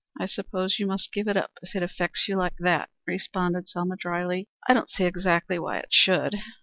"I suppose you must give it up if it affects you like that," responded Selma drily. "I don't see exactly why it should."